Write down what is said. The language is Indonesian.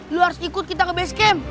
lu harus ikut kita ke base camp